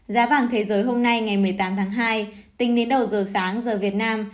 giá vàng thế giới hôm nay ngày một mươi tám tháng hai tính đến đầu giờ sáng giờ việt nam